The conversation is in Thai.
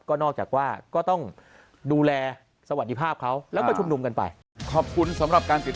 ก็นอกจากว่าก็ต้องดูแลสวัสดีภาพเขาแล้วก็ชุมนุมกันไป